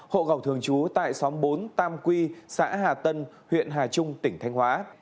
hộ khẩu thường trú tại xóm bốn tam quy xã hà tân huyện hà trung tỉnh thanh hóa